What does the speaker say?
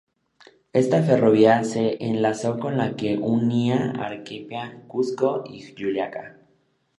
Esta ferrovía se enlazó con la que unía Arequipa, Cuzco y Juliaca.